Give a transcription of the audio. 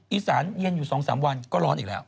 อีสานเย็นอยู่๒๓วันก็ร้อนอีกแล้ว